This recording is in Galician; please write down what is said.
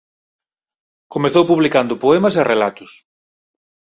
Comezou publicando poemas e relatos.